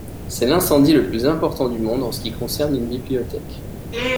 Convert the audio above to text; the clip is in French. C'est l'incendie le plus important du monde en ce qui concerne une bibliothèque.